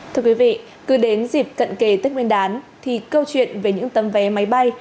thưa quý vị cứ đến dịp cận kề tết nguyên đán thì câu chuyện về những tấm vé máy bay